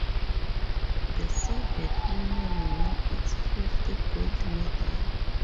The Soviet Union won its fifth gold medal.